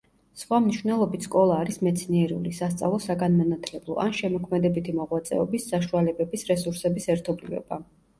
სხვა მნიშვნელობით სკოლა არის მეცნიერული, სასწავლო საგანმანათლებლო, ან შემოქმედებითი მოღვაწეობის, საშუალებების, რესურსების ერთობლიობა.